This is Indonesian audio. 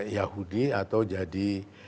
yahudi atau jadi